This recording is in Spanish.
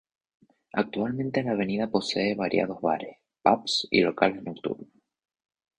Actualmente la avenida posee variados bares, pubs y locales nocturnos.